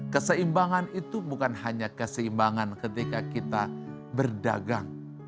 keseimbangan itu bukan hanya keseimbangan ketika kita berdagang